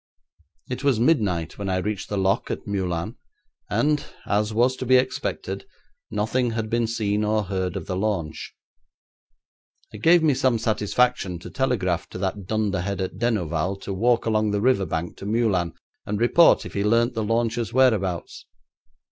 It was midnight when I reached the lock at Meulan, and, as was to be expected, nothing had been seen or heard of the launch. It gave me some satisfaction to telegraph to that dunderhead at Denouval to walk along the river bank to Meulan, and report if he learnt the launch's whereabouts.